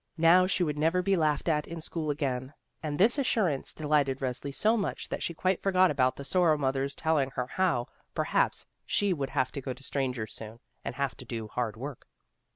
Now she would never be laughed at in school again, and this assurance de lighted Resli so much that she quite forgot about the Sorrow mother's telling her how, perhaps, she would have to go to strangers soon, and have to do hard work.